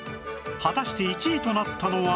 果たして１位となったのは？